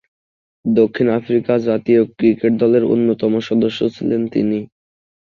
দক্ষিণ আফ্রিকা জাতীয় ক্রিকেট দলের অন্যতম সদস্য ছিলেন তিনি।